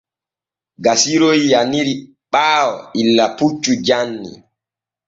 Gasiron yaniri ɓaayo illa e puccu janni.